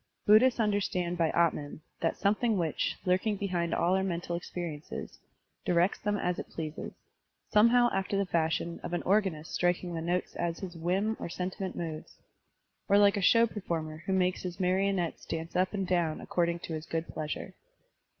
Buddhists tmderstand by Atman that something which, 37 Digitized by Google 38 SERMONS OP A BUDDHIST ABBOT lurking behind all our mental experiences, directs them as it pleases, somehow after the fashion of an organist striking the notes as his whim or sentiment moves, or like a show performer who makes his marionettes dance up and down according to his good pleasure.